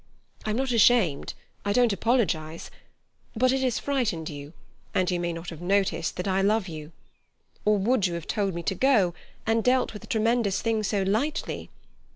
I'm not ashamed. I don't apologize. But it has frightened you, and you may not have noticed that I love you. Or would you have told me to go, and dealt with a tremendous thing so lightly?